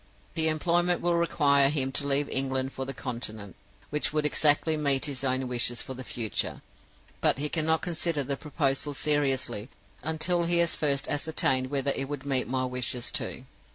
The employment will require him to leave England for the Continent, which would exactly meet his own wishes for the future, but he cannot consider the proposal seriously until he has first ascertained whether it would meet my wishes too.